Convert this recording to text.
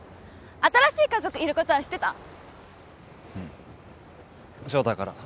新しい家族いることは知ってた？